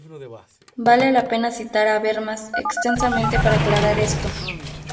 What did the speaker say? Vale la pena citar a Habermas extensamente para aclarar esto.